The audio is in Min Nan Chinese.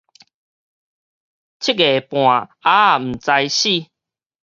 七月半鴨仔毋知死